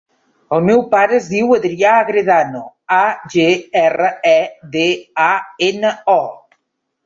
El meu pare es diu Adrià Agredano: a, ge, erra, e, de, a, ena, o.